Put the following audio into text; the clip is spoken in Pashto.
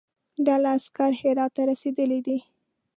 ډله عسکر هرات ته رسېدلی دي.